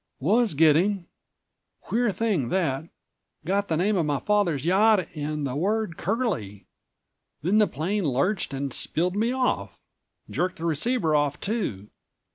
"Was getting. Queer thing that! Got the name of my father's yacht and the word 'Curly.' Then the plane lurched and spilled me off. Jerked the receiver off too.